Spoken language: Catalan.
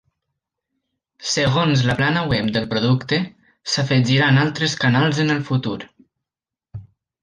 Segons la plana web del producte, s'afegiran altres canals en el futur.